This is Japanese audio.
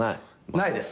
ないです。